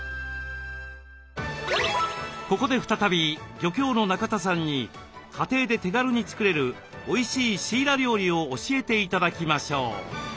ここで再び漁協の中田さんに家庭で手軽に作れるおいしいシイラ料理を教えて頂きましょう。